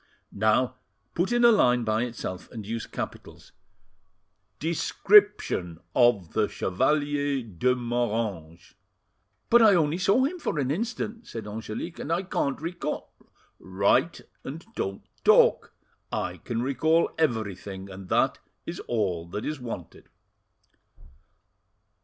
"Now put in a line by itself, and use capitals "'DESCRIPTION OF THE CHEVALIER DE MORANGES." "But I only saw him for an instant," said Angelique, "and I can't recall—— "Write, and don't talk. I can recall everything, and that is all that is wanted."